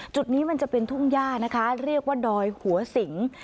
จุดนี้มันจะเป็นทุ่งย่านะคะเรียกว่าดอยหัวสิง